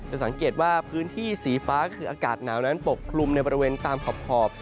สังเกตว่าพื้นที่สีฟ้าคืออากาศหนาวนั้นปกคลุมในบริเวณตามขอบ